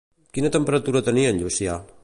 Quina temperatura tenia en Llucià?